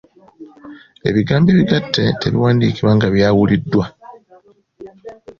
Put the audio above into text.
Ebigambo ebigatte tebiwandiikibwa nga byawuliddwa.